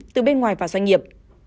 từ bên ngoài và doanh nghiệp